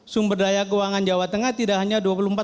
sumber daya keuangan jawa tengah tidak hanya dua puluh empat sembilan